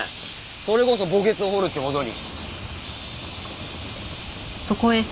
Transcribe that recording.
それこそ墓穴を掘るって事に。